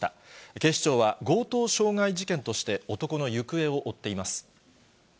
警視庁は強盗傷害事件として、男の行方を追っています。